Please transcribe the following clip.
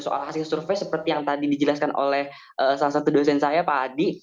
soal hasil survei seperti yang tadi dijelaskan oleh salah satu dosen saya pak adi